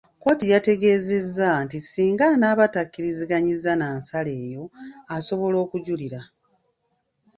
Kooti yategeezezza nti ssinga anaaba takkiriziganyizza na nsala eyo, asobola okujulira.